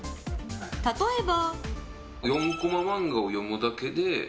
例えば。